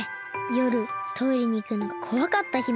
よるトイレにいくのがこわかった姫。